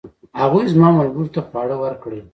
هغوی زما ملګرو ته خواړه ورکړل.